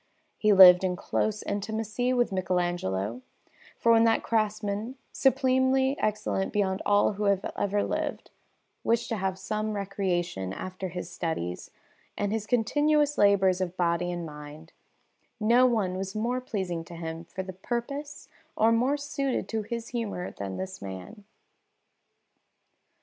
He lived in close intimacy with Michelagnolo, for when that craftsman, supremely excellent beyond all who have ever lived, wished to have some recreation after his studies and his continuous labours of body and mind, no one was more pleasing to him for the purpose or more suited to his humour than this man.